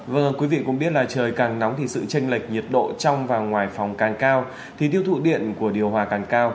vâng quý vị cũng biết là trời càng nóng thì sự tranh lệch nhiệt độ trong và ngoài phòng càng cao thì tiêu thụ điện của điều hòa càng cao